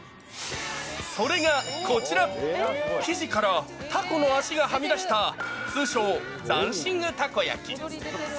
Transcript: それがこちら、生地からタコの足がはみ出した、通称、ダンシングたこ焼き。